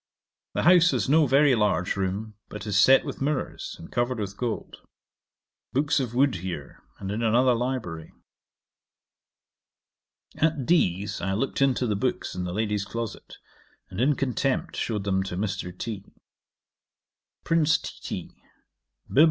The house has no very large room, but is set with mirrours, and covered with gold. Books of wood here, and in another library. 'At D 's I looked into the books in the lady's closet, and, in contempt, shewed them to Mr. T. Prince Titi; _Bibl.